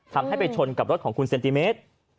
ทำให้ไปชนกับรถของคุณเซนติเมตร